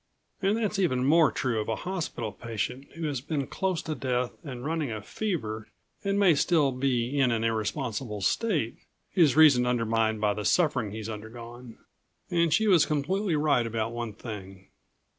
And that's even more true of a hospital patient who has been close to death and running a fever and may still be in an irresponsible state, his reason undermined by the suffering he's undergone. And she was completely right about one thing.